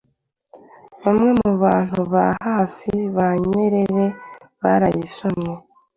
Bamwe mu bantu ba hafi ba Nyerere barayisomye